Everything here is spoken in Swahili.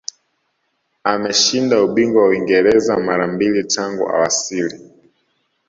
ameshinda ubingwa wa uingereza mara mbili tangu awasili